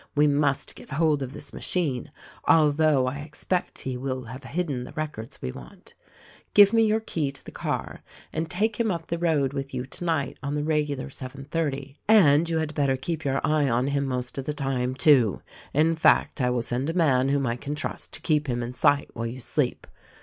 We must get hold of this machine ; although I expect lie will have hidden the records we want. Give THE RECORDING ANGEL 209 me your key to the car and take him up the road with you tonight on the regular seven thirty. And you had better keep your eye on him most of the time, too ! In fact, I will send a man whom I can trust, to keep him in sight while you sleep.